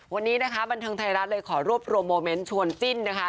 วันนี้นะคะบันเทิงไทยรัฐเลยขอรวบรวมโมเมนต์ชวนจิ้นนะคะ